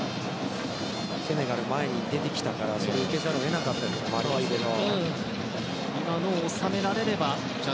セネガルが前に出てきたから受けざるを得なかったところもあるわけですけども。